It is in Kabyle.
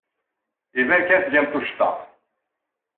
Iban kan tgam tuccḍa.